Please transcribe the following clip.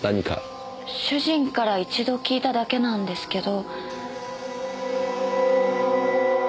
主人から一度聞いただけなんですけど。